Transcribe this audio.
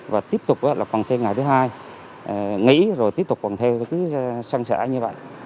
và tiếp tục là quần theo ngày thứ hai nghỉ rồi tiếp tục quần theo cứ săn sả như vậy